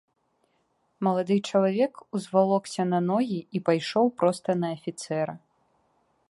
Малады чалавек узвалокся на ногі і пайшоў проста на афіцэра.